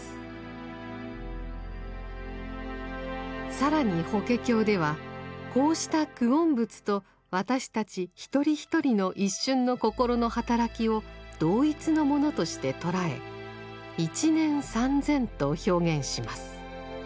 更に法華経ではこうした久遠仏と私たち一人一人の一瞬の心の働きを同一のものとして捉え「一念三千」と表現します。